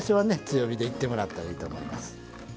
強火でいってもらったらいいと思います。